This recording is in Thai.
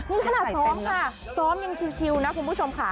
นี่ขนาดซ้อมค่ะซ้อมยังชิวนะคุณผู้ชมค่ะ